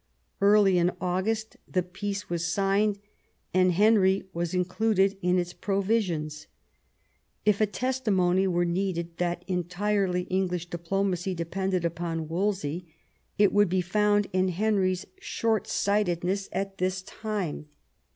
Early in August the peace was signed, and Henry was in cluded in its provisions. If a testimony were needed that entirely English diplomacy depended upon Wolsey, it would be found in Henry's short sightedness at this time.